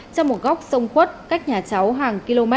trong một góc sông khuất cách nhà cháu hàng km